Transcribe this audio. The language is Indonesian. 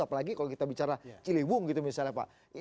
apalagi kalau kita bicara ciliwung gitu misalnya pak